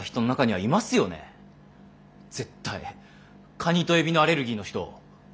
カニとエビのアレルギーの人。